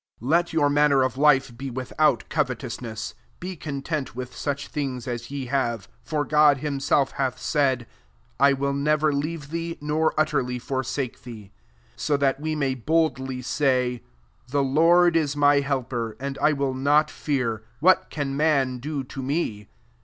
5 &t your manner of life he without covetousness. Be con tent with such things as ye have : for God himself hath said, << I will never leave theei nor utterly forsake thee.'' 6 So that we may boldly say, The Lord ia my helper, and I will not fear what man can do to me.'